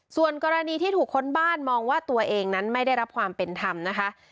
ส่วนกรณีที่ถูกค้นบ้านมองว่าตัวเองนั้นไม่ได้รับความเป็นธรรมนะคะ